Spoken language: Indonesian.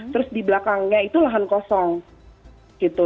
terus di belakangnya itu lahan kosong gitu